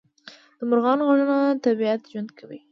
د مرغانو غږونه طبیعت ژوندی کوي